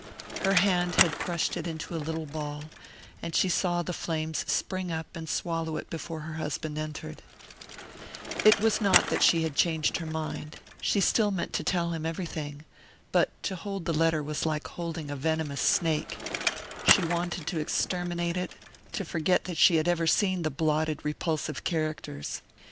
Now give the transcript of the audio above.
Her hand had crushed it into a little ball, and she saw the flames spring up and swallow it before her husband entered. It was not that she had changed her mind she still meant to tell him everything. But to hold the letter was like holding a venomous snake she wanted to exterminate it, to forget that she had ever seen the blotted repulsive characters.